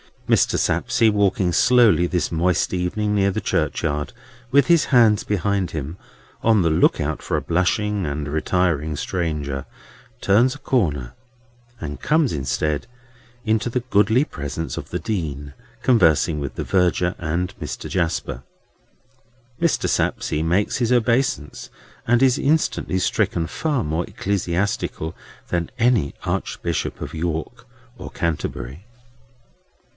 Mr. Sapsea, walking slowly this moist evening near the churchyard with his hands behind him, on the look out for a blushing and retiring stranger, turns a corner, and comes instead into the goodly presence of the Dean, conversing with the Verger and Mr. Jasper. Mr. Sapsea makes his obeisance, and is instantly stricken far more ecclesiastical than any Archbishop of York or Canterbury.